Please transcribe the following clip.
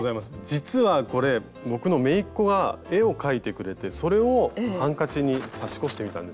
実はこれ僕のめいっ子が絵を描いてくれてそれをハンカチに刺し子してみたんですよ。